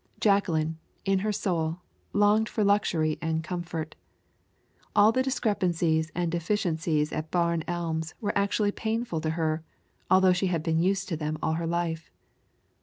Jacqueline, in her soul, longed for luxury and comfort. All the discrepancies and deficiencies at Barn Elms were actually painful to her, although she had been used to them all her life.